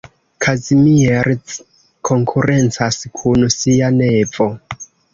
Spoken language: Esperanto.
Kazimierz konkurencas kun sia nevo.